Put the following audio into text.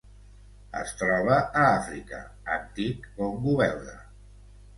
Es troba a Àfrica: antic Congo Belga.